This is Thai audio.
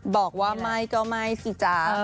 บอกว่าไม่ก็ไม่สิจ๊ะ